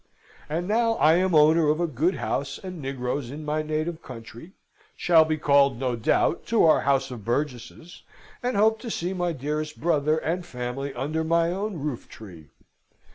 And now I am owner of a good house and negroes in my native country, shall be called, no doubt, to our House of Burgesses, and hope to see my dearest brother and family under my own roof tree.